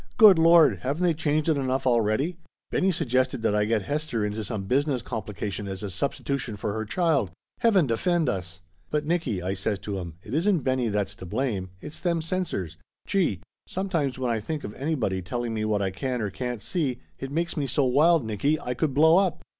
Good Lord, haven't they changed it enough already ? Benny suggested that I get Hester into some business compli cation as a substitution for her child ! Heaven defend us!" "But, Nicky/' I says to him, "it isn't Benny that's to blame; it's them censors! Gee! Sometimes when I think of anybody telling me what I can or can't see, it makes me so wild, Nicky, I could blow up